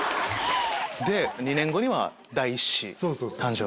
２年後には「第１子誕生」。